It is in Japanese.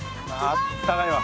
あったかいわ。